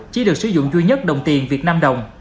chỉ được sử dụng duy nhất đồng tiền việt nam đồng